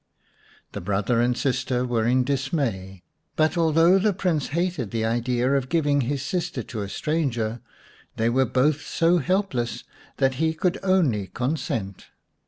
The brother and sister were in dismay, but although the Prince hated the idea of giving his sister to a stranger, they were both so helpless that he could only consent.